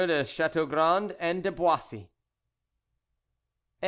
de Chateaugrand and de Boissy.